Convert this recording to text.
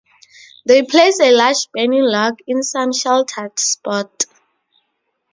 They place a large burning log in some sheltered spot.